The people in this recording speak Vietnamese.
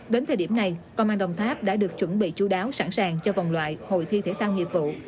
đến thời điểm này công an đồng tháp đã được chuẩn bị chú đáo sẵn sàng cho vòng loại hội thi thể tăng nghiệp vụ